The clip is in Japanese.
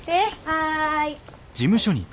はい。